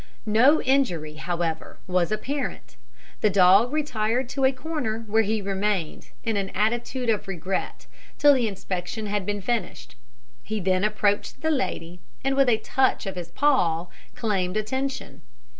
No injury, however, was apparent. The dog retired to a corner, where he remained, in an attitude of regret, till the inspection had been finished. He then approached the lady, and with a touch of his paw claimed attention.